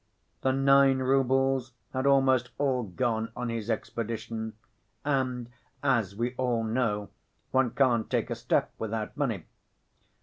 The nine roubles had almost all gone on his expedition. And, as we all know, one can't take a step without money.